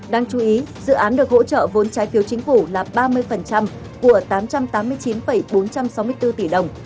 đáng chú ý dự án được hỗ trợ vốn trái phiếu chính phủ là ba mươi của tám trăm tám mươi chín bốn trăm sáu mươi bốn tỷ đồng